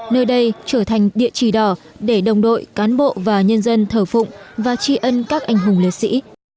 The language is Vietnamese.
nơi đây trở thành địa chỉ đỏ để đồng đội cán bộ và nhân dân thở phụng và tri ân các anh hùng liệt sĩ